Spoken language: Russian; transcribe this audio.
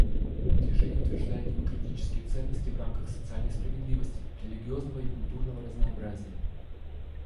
Движение утверждает демократические ценности в рамках социальной справедливости, религиозного и культурного разнообразия.